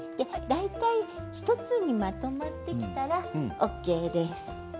大体１つにまとまったらＯＫです。